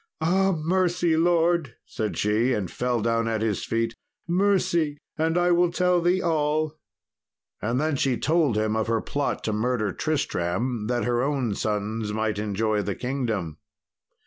"Ah, mercy, lord," said she, and fell down at his feet; "mercy, and I will tell thee all." And then she told him of her plot to murder Tristram, that her own sons might enjoy the kingdom.